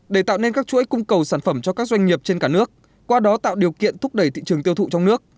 để tạo nên các chuỗi cung cầu sản phẩm cho các doanh nghiệp trên cả nước qua đó tạo điều kiện thúc đẩy thị trường tiêu thụ trong nước